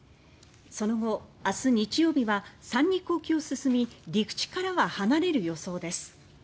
その後、明日日曜日は三陸沖を進み陸地からは離れる予想です。